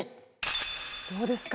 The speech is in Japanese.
どうですか？